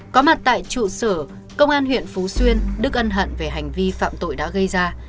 có mặt tại trụ sở công an huyện phú xuyên đức ân hận về hành vi phạm tội đã gây ra